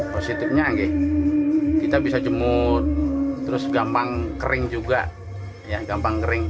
positifnya kita bisa cemut terus gampang kering juga